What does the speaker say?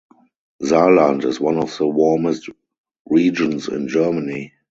Saarland is one of the warmest regions in Germany.